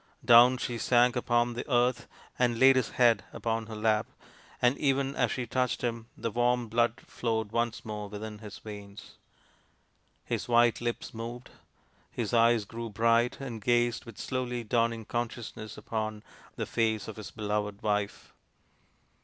Down she sank upon the earth and laid his head upon her lap, and even as she touched him the warm blood flowed once more within his veins. His white lips moved, his eyes THE GENTLE CONQUEROR 67 grew bright, and gazed with slowly dawning con sciousness upon the face of his beloved wife.